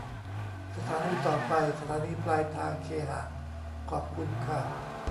สถานีต่อไป สถานีปลายทางเคหะ ขอบคุณค่ะ